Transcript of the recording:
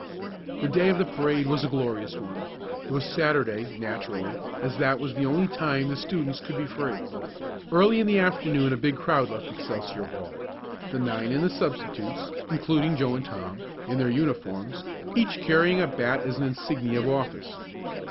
The day of the parade was a glorious one. It was Saturday, naturally, as that was the only time the students could be free. Early in the afternoon a big crowd left Excelsior Hall, the nine and the substitutes, including Joe and Tom, in their uniforms, each carrying a bat as an insignia of office.